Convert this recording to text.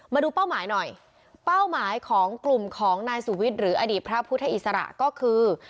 เป้าหมายหน่อยเป้าหมายของกลุ่มของนายสุวิทย์หรืออดีตพระพุทธอิสระก็คือ